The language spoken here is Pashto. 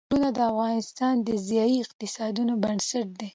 غرونه د افغانستان د ځایي اقتصادونو بنسټ دی.